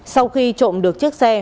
sau khi trộm được chiếc xe